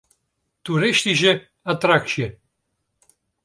Toeristyske attraksje.